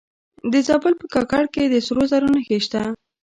د زابل په کاکړ کې د سرو زرو نښې شته.